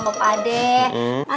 kalau kapuknya berapa